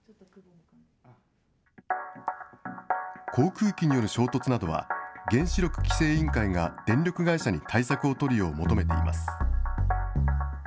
航空機による衝突などは、原子力規制委員会が電力会社に対策を取るよう求めています。